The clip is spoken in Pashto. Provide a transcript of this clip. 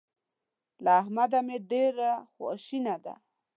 له احمده مې ډېره خواشنه ده.